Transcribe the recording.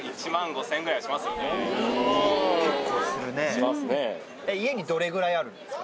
しますね。